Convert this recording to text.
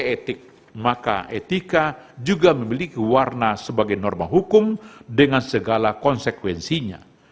ketika etik maka etika juga memiliki warna sebagai norma hukum dengan segala konsekuensinya